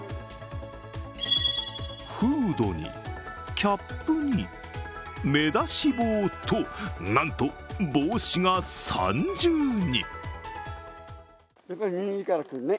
フードに、キャップに、目出し帽となんと帽子が三重に。